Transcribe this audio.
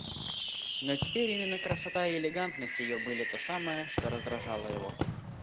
Но теперь именно красота и элегантность ее были то самое, что раздражало его.